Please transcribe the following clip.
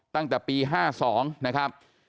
ตั้งแต่ปี๕๒นะครับ